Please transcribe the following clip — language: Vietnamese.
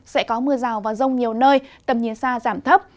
sẽ có mưa rào và rông nhiều nơi tầm nhiên sa giảm thấp